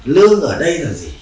lương ở đây là gì